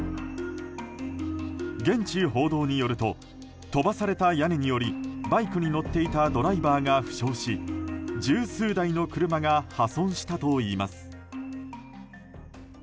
現地報道によると飛ばされた屋根によりバイクに乗っていたドライバーが負傷し十数台の車が破損したといいます。